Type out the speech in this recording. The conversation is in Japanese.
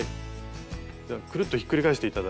じゃあくるっとひっくり返して頂いて。